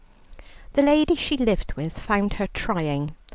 The lady she lived with found her trying.